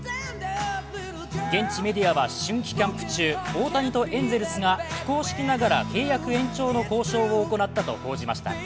現地メディアによると春季キャンプ中、大谷とエンゼルスが非公式ながら契約延長の交渉を行ったと報じました。